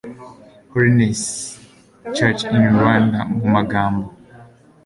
Holiness Church in Rwanda mu magambo